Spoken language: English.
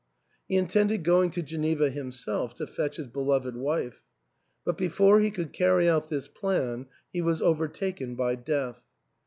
He intended going to Greneva himself to fetch his beloved wife. But before he could carry out this plan he was overtaken by death.